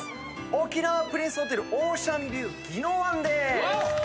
沖縄プリンスホテルオーシャンビューぎのわんです！